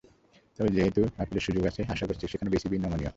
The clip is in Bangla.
তবে যেহেতু আপিলের সুযোগ আছে, আশা করছি সেখানে বিসিবি নমনীয় হবে।